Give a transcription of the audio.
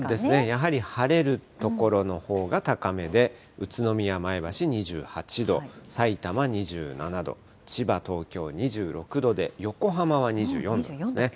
やはり晴れる所のほうが高めで、宇都宮、前橋２８度、さいたま２７度、千葉、東京２６度で、横浜は２４度ですね。